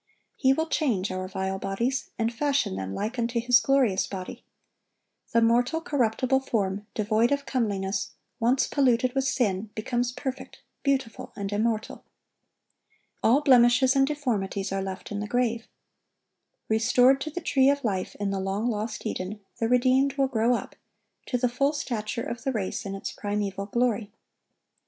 He will change our vile bodies, and fashion them like unto His glorious body. The mortal, corruptible form, devoid of comeliness, once polluted with sin, becomes perfect, beautiful, and immortal. All blemishes and deformities are left in the grave. Restored to the tree of life in the long lost Eden, the redeemed will "grow up"(1117) to the full stature of the race in its primeval glory.